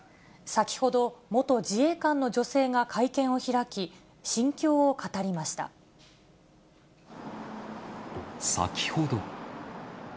先ほど、元自衛官の女性が会先ほど。